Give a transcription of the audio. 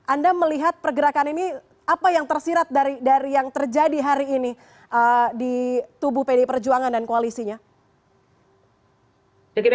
anda melihat pergerakan ini apa yang tersirat dari yang terjadi hari ini di tubuh pdi perjuangan dan koalisinya